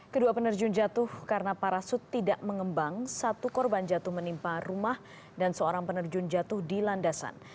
kedua penerjun jatuh karena parasut tidak mengembang satu korban jatuh menimpa rumah dan seorang penerjun jatuh di landasan